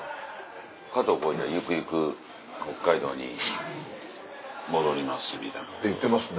加藤浩次はゆくゆく北海道に戻りますみたいな。って言ってますね。